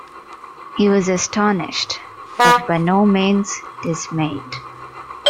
He was astonished, but by no means dismayed.